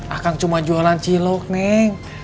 akan cuma jualan cilok nih